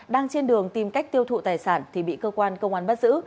đang trên đường tìm cách tiêu thụ tài sản thì bị cơ quan công an bắt giữ